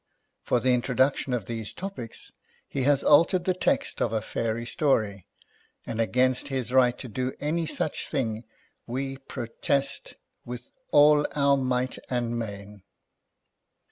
For the introduction of these topics, he has altered the text of a fairy story ; and against his right to do any such thing we pro test with all our might and main.